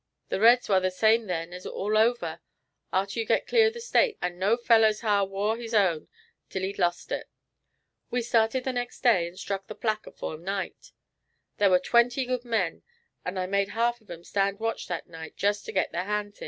The reds war the same then all over, arter you get clear of the States, and no feller's ha'r war his own till he'd lost it. "We started the next day, and struck the Platte afore night. There war but twenty good men, an' I made half of 'em stand watch that night just to get their hands in.